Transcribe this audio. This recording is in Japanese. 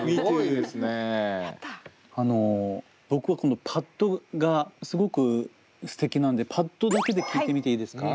僕はこのパッドがすごくすてきなんでパッドだけで聞いてみていいですか？